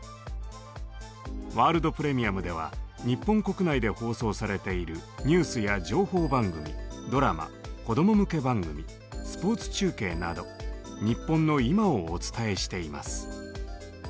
「ワールド・プレミアム」では日本国内で放送されているニュースや情報番組ドラマ子供向け番組スポーツ中継など日本の今をお伝えしています。